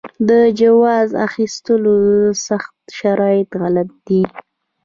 د جواز اخیستلو سخت شرایط غلط دي.